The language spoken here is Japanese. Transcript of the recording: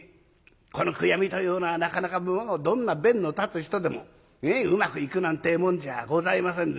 この悔やみというのはなかなかどんな弁の立つ人でもうまくいくなんてえもんじゃございませんで。